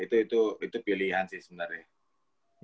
itu itu itu pilihan sih sebenarnya